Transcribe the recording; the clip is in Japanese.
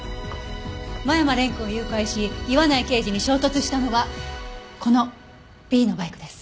間山蓮くんを誘拐し岩内刑事に衝突したのはこのＢのバイクです。